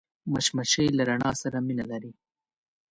مچمچۍ له رڼا سره مینه لري